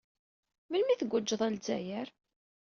Melmi ay tguǧǧed ɣer Lezzayer?